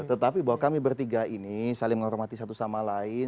tetapi bahwa kami bertiga ini saling menghormati satu sama lain